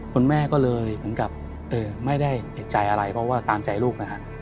คุณแม่ก็เลยเหมือนกับไม่ได้เอกใจอะไรเพราะว่าตามใจลูกนะฮะ